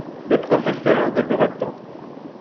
Des professeurs de breton.